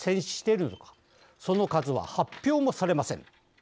その数は発表もされません。